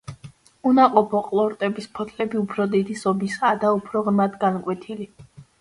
უნაყოფო ყლორტების ფოთლები უფრო დიდი ზომისაა და უფრო ღრმად განკვეთილი.